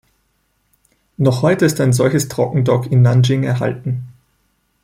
Noch heute ist ein solches Trockendock in Nanjing erhalten.